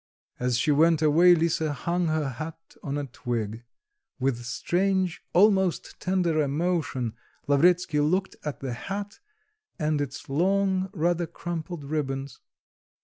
As she went away, Lisa hung her hat on a twig; with strange, almost tender emotion, Lavretsky looked at the hat, and its long rather crumpled ribbons.